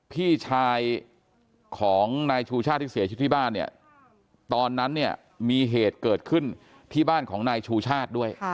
พี่ชายของนายชูชาติที่เสียชีวิตที่บ้านเนี่ยตอนนั้นเนี่ยมีเหตุเกิดขึ้นที่บ้านของนายชูชาติด้วย